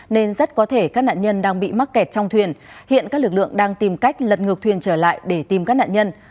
nên rất có thể các nạn nhân đang bị mắc kẹt trong thuyền hiện các lực lượng đang tìm cách lật ngược thuyền trở lại để tìm các nạn nhân